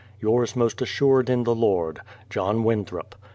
Yours most assured in the Lord, JOHN WINTHROP.